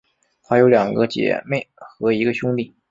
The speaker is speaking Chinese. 她有两个姐妹和一个兄弟。